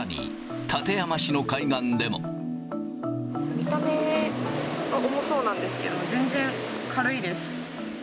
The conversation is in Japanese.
見た目は重そうなんですけど、全然軽いです。